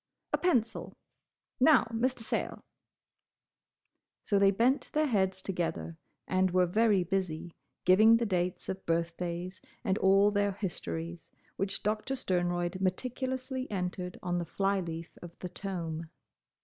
"A pencil! Now, Mr. Sayle—" So they bent their heads together, and were very busy, giving the dates of birthdays, and all their histories, which Doctor Sternroyd meticulously entered on the fly leaf of the tome.